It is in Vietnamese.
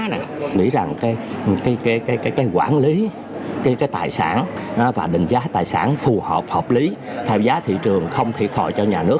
này nghĩ rằng cái quản lý cái tài sản và định giá tài sản phù hợp hợp lý theo giá thị trường không thiệt hại cho nhà nước